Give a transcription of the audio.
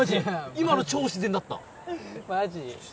今の超自然だったマジ？